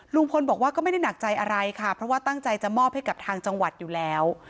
ลุงพลบอกว่าก็ไม่ได้หนักใจอะไรค่ะเพราะว่าตั้งใจจะมอบให้กับทางจังหวัดอยู่แล้ว